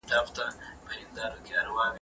تاسي په پښتو کي د معاصر ادب له بدلونونو خبر یاست؟